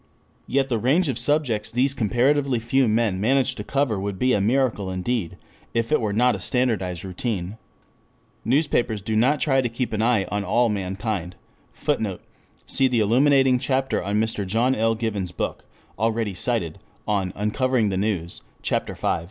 Yet the range of subjects these comparatively few men manage to cover would be a miracle indeed, if it were not a standardized routine. Newspapers do not try to keep an eye on all mankind. [Footnote: See the illuminating chapter in Mr. John L. Given's book, already cited, on "Uncovering the News," Ch. V.